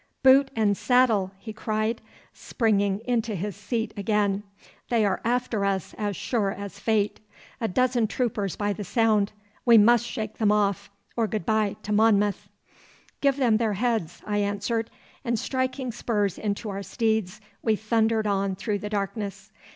'Boot and saddle!' he cried, springing into his seat again. 'They are after us as sure as fate. A dozen troopers by the sound. We must shake them off, or goodbye to Monmouth.' 'Give them their heads,' I answered, and striking spurs into our steeds, we thundered on through the darkness.